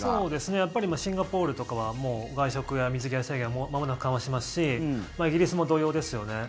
やっぱりシンガポールとかは外出や水際対策もまもなく緩和しますしイギリスも同様ですよね。